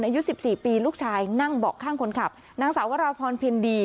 อายุสิบสี่ปีลูกชายนั่งเบาะข้างคนขับนางสาววราพรเพ็ญดี